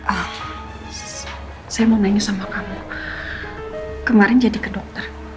ah saya mau nanya sama kamu kemarin jadi ke dokter